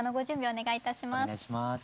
お願いします。